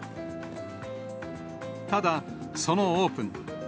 ただ、そのオープン。